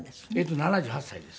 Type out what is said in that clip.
７８歳です。